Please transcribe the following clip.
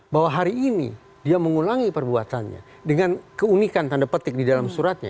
bahwa hari ini dia mengulangi perbuatannya dengan keunikan tanda petik di dalam suratnya